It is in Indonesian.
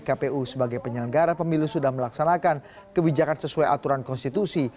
kpu sebagai penyelenggara pemilu sudah melaksanakan kebijakan sesuai aturan konstitusi